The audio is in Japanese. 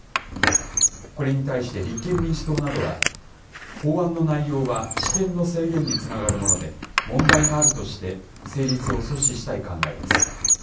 これに対して立憲民主党などは、法案の内容は私権の制限につながるもので、問題があるとして、成立を阻止したい考えです。